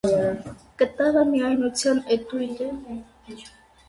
Կտավը միայնության էտյուդ է։